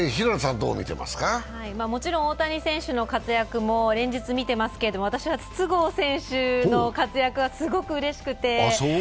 もちろん大谷選手の活躍も連日みてますけれども私は筒香選手の活躍がすごくうれしくて。